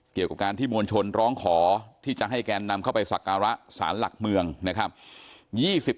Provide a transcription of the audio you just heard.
เกี่ยวกับการที่มวลชนร้องขอที่จะให้แกนนำเข้าไปสักการะสารหลักเมืองนะครับ